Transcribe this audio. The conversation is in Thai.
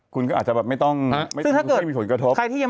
คุณก็อาจจะแบบไม่ต้องเคยมีผลกระทบคือถ้าเกิดใครที่